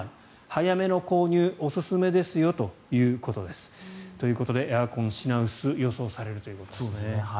早めの購入がおすすめですよということです。ということでエアコン品薄が予想されるということですね。